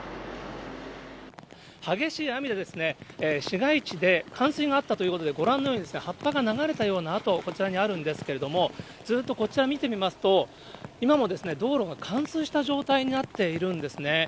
激しい雨で、市街地で冠水があったということで、ご覧のように葉っぱが流れたような跡、こちらにあるんですけれども、ずっとこちら見てみますと、今も道路が冠水した状態になっているんですね。